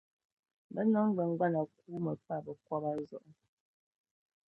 Bɛ niŋgbuŋgbana kuumi pa bɛ kɔba zuɣu.